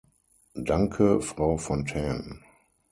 Danke, Frau Fontaine.